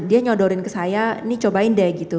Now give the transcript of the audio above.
dia nyodorin ke saya ini cobain deh gitu